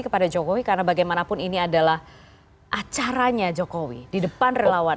karena bagaimanapun ini adalah acaranya jokowi di depan relawan